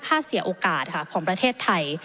ฆ่าเสียโอกาสค่ะของประเทศไทย